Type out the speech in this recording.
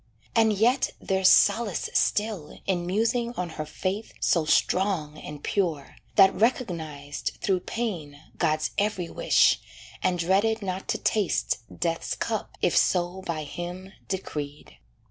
And yet there's solace still In musing on her faith so strong and pure, That recognized, through pain, God's every wish, And dreaded not to taste death's cup if so By Him decreed.